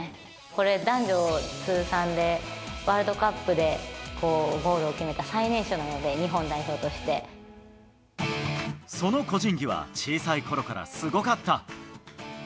これ、男女通算でワールドカップでゴールを決めた最年少なので、日本代その個人技は小さいころからすごかった。